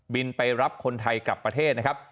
ไปรับคนไทยกลับประเทศนะครับ